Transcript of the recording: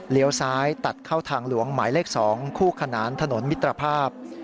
ซ้ายตัดเข้าทางหลวงหมายเลข๒คู่ขนานถนนมิตรภาพ